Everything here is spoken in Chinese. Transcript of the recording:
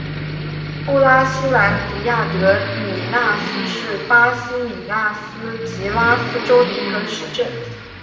布拉西兰迪亚德米纳斯是巴西米纳斯吉拉斯州的一个市镇。